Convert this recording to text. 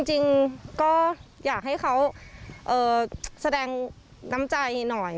จริงก็อยากให้เขาแสดงน้ำใจหน่อย